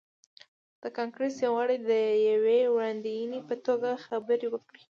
د کانګریس یو غړي د یوې وړاندوینې په توګه خبرې وکړې.